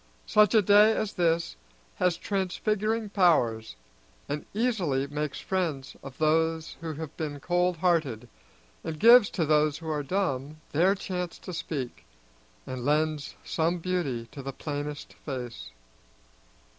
Such a day as this has transfiguring powers, and easily makes friends of those who have been cold hearted, and gives to those who are dumb their chance to speak, and lends some beauty to the plainest face.